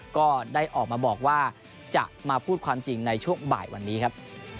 ก็ได้ออกมาบอกว่าจะมาพูดความจริงในช่วงบ่ายวันนี้ครับ